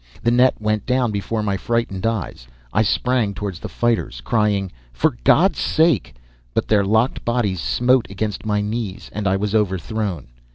The net went down before my frightened eyes. I sprang toward the fighters, crying: "For God's sake!" But their locked bodies smote against my knees, and I was overthrown.